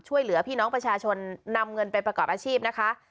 ช่วยเหลือพี่น้องประชาชนนำเงินไปประกอบอาชีพนะคะ